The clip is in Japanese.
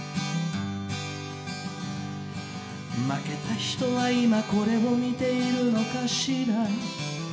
「負けた人は現在これを観ているのかしら」